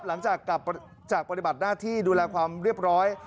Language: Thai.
หลังจากกลับจากปฏิบัติหน้าที่ดูแลความเรียบร้อย